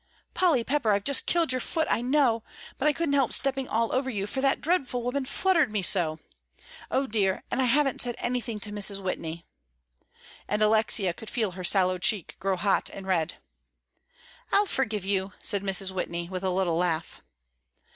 "Polly Pepper, I've just killed your foot, I know, but I couldn't help stepping all over you, for that dreadful woman fluttered me so. O dear, and I haven't said anything to Mrs. Whitney," and Alexia could feel her sallow cheek grow hot and red. "I'll forgive you," said Mrs. Whitney, with a little laugh.